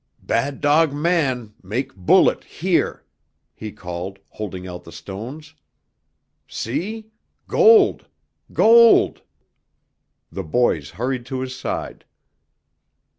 "Bad dog man mak' bullet here!" he called, holding out the stones. "See gold gold!" The boys hurried to his side.